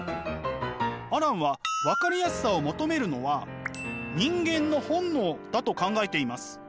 アランは分かりやすさを求めるのは人間の本能だと考えています。